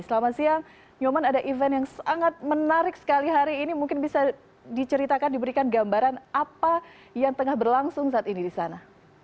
selamat siang nyoman ada event yang sangat menarik sekali hari ini mungkin bisa diceritakan diberikan gambaran apa yang tengah berlangsung saat ini di sana